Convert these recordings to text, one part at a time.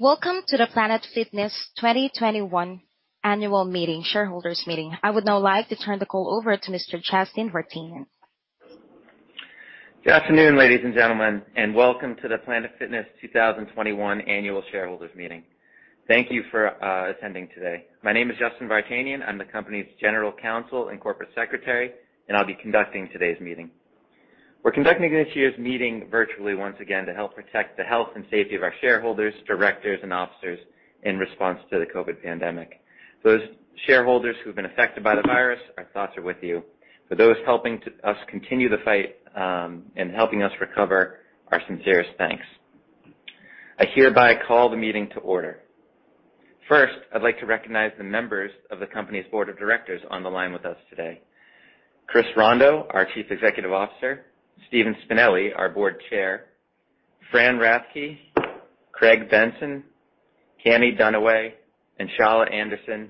Welcome to the Planet Fitness 2021 annual meeting, shareholders meeting. I would now like to turn the call over to Mr. Justin Vartanian. Good afternoon, ladies and gentlemen, and welcome to the Planet Fitness 2021 annual shareholders meeting. Thank you for attending today. My name is Justin Vartanian. I'm the company's general counsel and corporate secretary, and I'll be conducting today's meeting. We're conducting this year's meeting virtually, once again, to help protect the health and safety of our shareholders, directors, and officers in response to the COVID pandemic. Those shareholders who've been affected by the virus, our thoughts are with you. For those helping us continue the fight and helping us recover, our sincerest thanks. I hereby call the meeting to order. First, I'd like to recognize the members of the company's board of directors on the line with us today. Chris Rondeau, our Chief Executive Officer, Stephen Spinelli, our board chair, Fran Rathke, Craig Benson, Cammie Dunaway, Enshalla Anderson,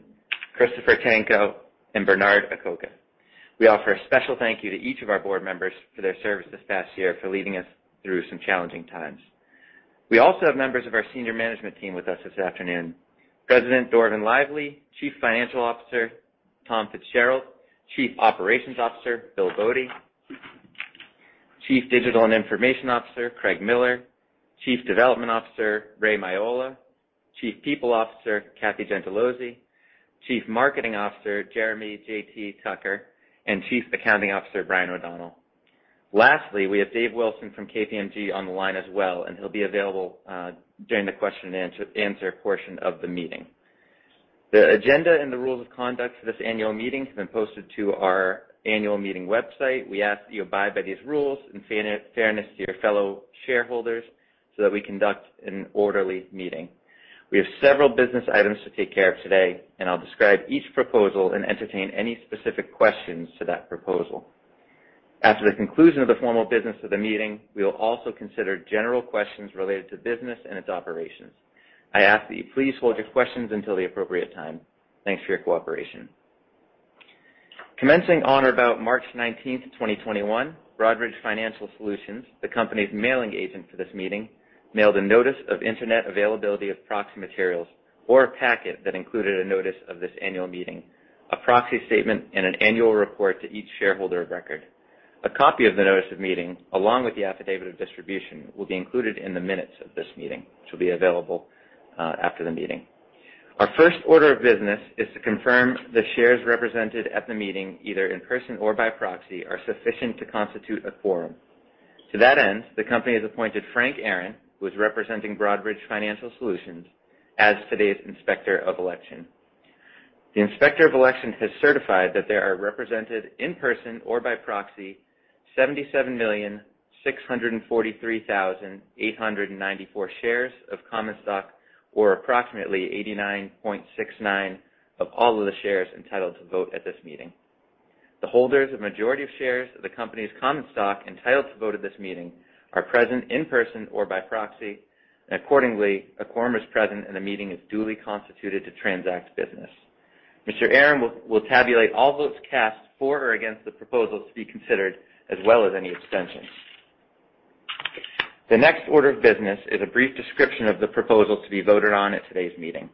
Christopher Tanco, and Bernard Acoca. We offer a special thank you to each of our board members for their service this past year for leading us through some challenging times. We also have members of our senior management team with us this afternoon. President Dorvin Lively, Chief Financial Officer Tom Fitzgerald, Chief Operations Officer Bill Bode, Chief Digital & Information Officer Craig Miller, Chief Development Officer Ray Miolla, Chief People Officer Kathy Gentilozzi, Chief Marketing Officer Jeremy JT Tucker, and Chief Accounting Officer Brian O'Donnell. Lastly, we have Dave Wilson from KPMG on the line as well, and he'll be available during the question-and-answer portion of the meeting. The agenda and the rules of conduct for this annual meeting have been posted to our annual meeting website. We ask that you abide by these rules in fairness to your fellow shareholders so that we conduct an orderly meeting. We have several business items to take care of today, and I'll describe each proposal and entertain any specific questions to that proposal. After the conclusion of the formal business of the meeting, we will also consider general questions related to business and its operations. I ask that you please hold your questions until the appropriate time. Thanks for your cooperation. Commencing on or about March 19th, 2021, Broadridge Financial Solutions, the company's mailing agent for this meeting, mailed a Notice of Internet Availability of Proxy Materials or a packet that included a notice of this annual meeting, a proxy statement, and an annual report to each shareholder of record. A copy of the notice of meeting, along with the affidavit of distribution, will be included in the minutes of this meeting, which will be available after the meeting. Our first order of business is to confirm the shares represented at the meeting, either in person or by proxy, are sufficient to constitute a quorum. To that end, the company has appointed Frank Aaron, who is representing Broadridge Financial Solutions, as today's Inspector of Election. The Inspector of Election has certified that there are represented, in person or by proxy, 77,643,894 shares of common stock, or approximately 89.69% of all of the shares entitled to vote at this meeting. The holders of majority of shares of the company's common stock entitled to vote at this meeting are present in person or by proxy. Accordingly, a quorum is present, and the meeting is duly constituted to transact business. Mr. Aaron will tabulate all votes cast for or against the proposals to be considered, as well as any abstentions. The next order of business is a brief description of the proposals to be voted on at today's meeting.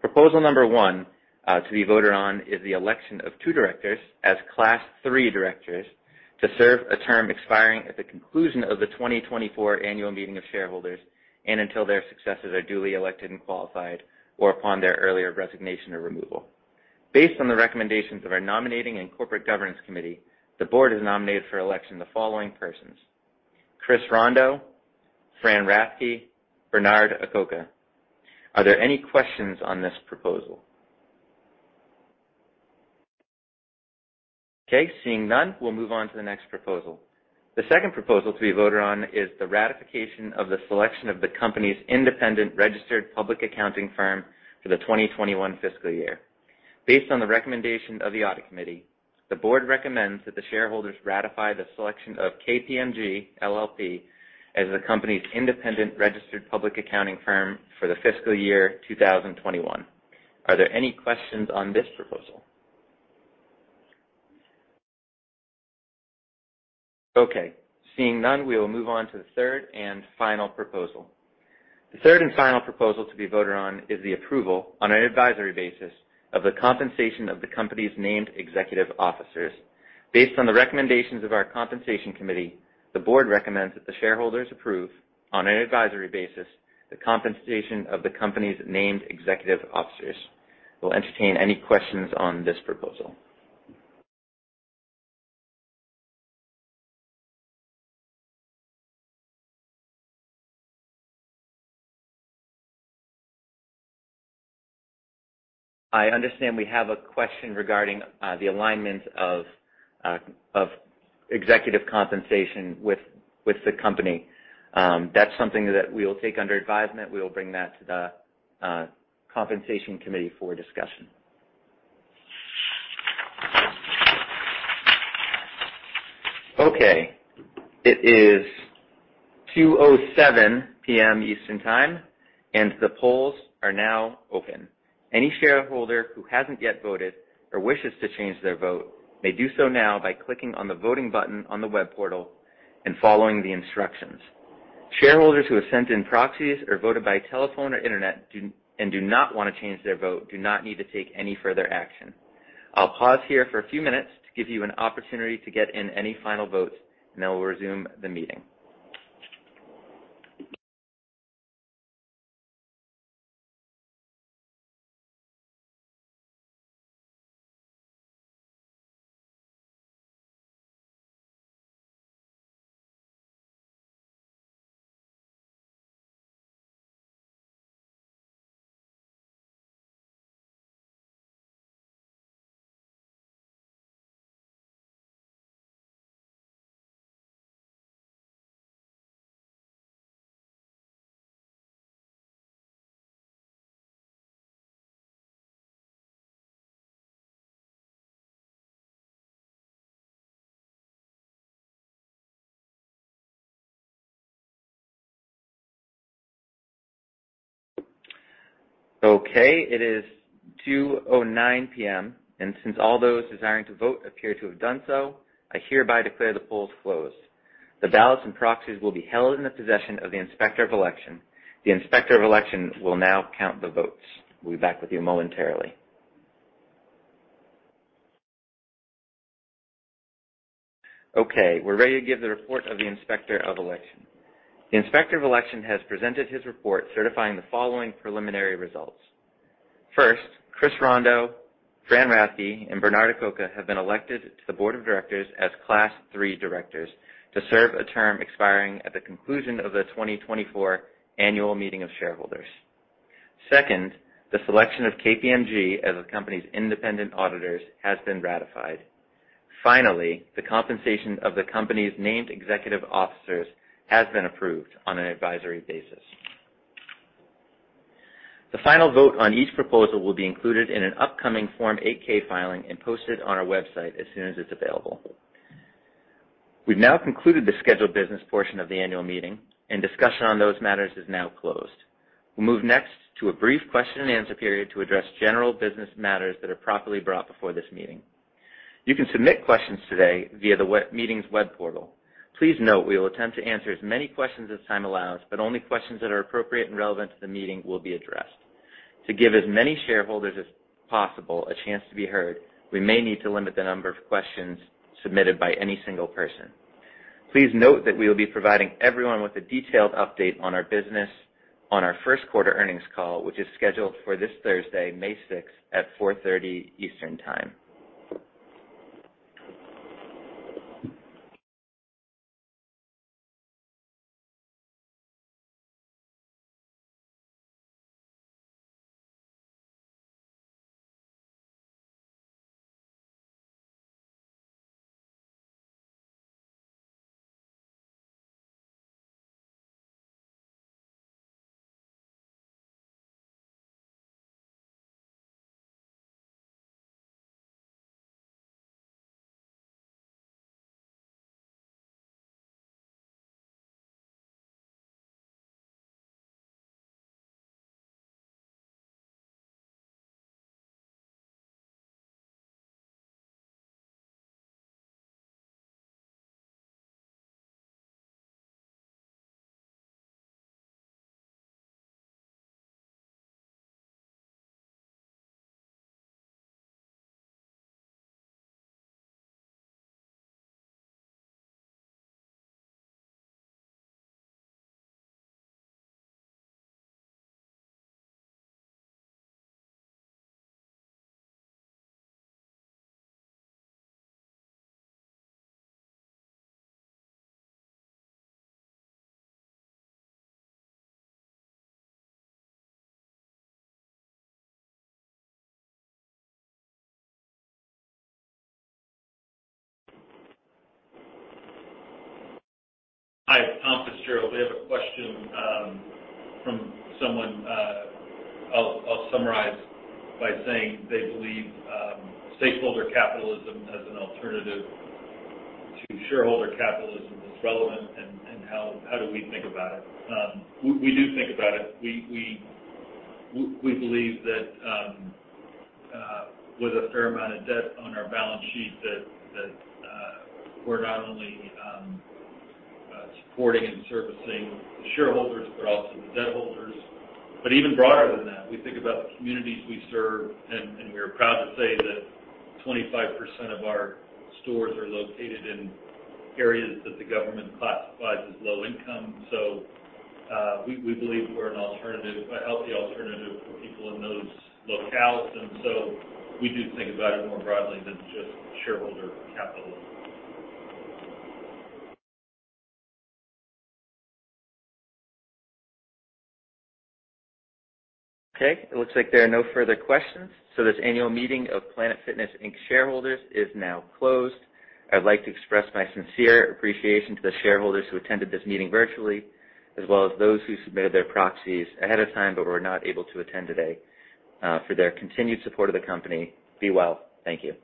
Proposal number one to be voted on is the election of two directors as Class III Directors to serve a term expiring at the conclusion of the 2024 Annual Meeting of Stockholders and until their successors are duly elected and qualified, or upon their earlier resignation or removal. Based on the recommendations of our nominating and corporate governance committee, the board has nominated for election the following persons: Chris Rondeau, Fran Rathke, Bernard Acoca. Are there any questions on this proposal? Okay. Seeing none, we'll move on to the next proposal. The second proposal to be voted on is the ratification of the selection of the company's independent registered public accounting firm for the 2021 fiscal year. Based on the recommendation of the audit committee, the board recommends that the shareholders ratify the selection of KPMG LLP as the company's independent registered public accounting firm for the fiscal year 2021. Are there any questions on this proposal? Okay. Seeing none, we will move on to the third and final proposal. The third and final proposal to be voted on is the approval, on an advisory basis, of the compensation of the company's named executive officers. Based on the recommendations of our compensation committee, the board recommends that the shareholders approve, on an advisory basis, the compensation of the company's named executive officers. We'll entertain any questions on this proposal. I understand we have a question regarding the alignment of executive compensation with the company. That's something that we will take under advisement. We will bring that to the compensation committee for discussion. Okay, it is 2:07 P.M. Eastern Time. The polls are now open. Any shareholder who hasn't yet voted or wishes to change their vote may do so now by clicking on the voting button on the web portal. Following the instructions. Shareholders who have sent in proxies or voted by telephone or internet and do not want to change their vote do not need to take any further action. I'll pause here for a few minutes to give you an opportunity to get in any final votes. Then we'll resume the meeting. Okay, it is 2:09 P.M. Since all those desiring to vote appear to have done so, I hereby declare the polls closed. The ballots and proxies will be held in the possession of the Inspector of Election. The Inspector of Election will now count the votes. We'll be back with you momentarily. Okay, we're ready to give the report of the Inspector of Election. The Inspector of Election has presented his report certifying the following preliminary results. First, Chris Rondeau, Fran Rathke, and Bernard Acoca have been elected to the Board of Directors as Class III Directors to serve a term expiring at the conclusion of the 2024 Annual Meeting of Stockholders. Second, the selection of KPMG as the company's independent auditors has been ratified. Finally, the compensation of the company's named executive officers has been approved on an advisory basis. The final vote on each proposal will be included in an upcoming Form 8-K filing and posted on our website as soon as it's available. We've now concluded the scheduled business portion of the annual meeting, and discussion on those matters is now closed. We'll move next to a brief question and answer period to address general business matters that are properly brought before this meeting. You can submit questions today via the meeting's web portal. Please note we will attempt to answer as many questions as time allows, but only questions that are appropriate and relevant to the meeting will be addressed. To give as many shareholders as possible a chance to be heard, we may need to limit the number of questions submitted by any single person. Please note that we will be providing everyone with a detailed update on our business on our first quarter earnings call, which is scheduled for this Thursday, May 6 at 4:30 P.M. Eastern Time. Hi, Tom Fitzgerald. We have a question from someone. I'll summarize by saying they believe stakeholder capitalism as an alternative to shareholder capitalism is relevant and how do we think about it? We do think about it. We believe that with a fair amount of debt on our balance sheet, that we're not only supporting and servicing the shareholders, but also the debt holders. Even broader than that, we think about the communities we serve, and we are proud to say that 25% of our stores are located in areas that the government classifies as low income. We believe we're a healthy alternative for people in those locales, and so we do think about it more broadly than just shareholder capitalism. It looks like there are no further questions, so this annual meeting of Planet Fitness, Inc shareholders is now closed. I'd like to express my sincere appreciation to the shareholders who attended this meeting virtually, as well as those who submitted their proxies ahead of time but were not able to attend today, for their continued support of the company. Be well. Thank you.